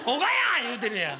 言うてるやん。